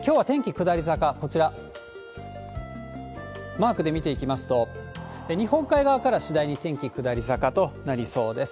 マークで見ていきますと、日本海側から次第に天気下り坂となりそうです。